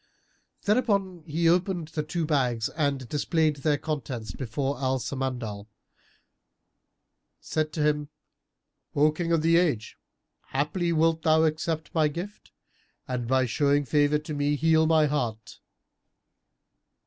Thereupon he opened the two bags and, displaying their contents before Al Samandal, said to him, "O King of the Age, haply wilt thou accept my gift and by showing favour to me heal my heart."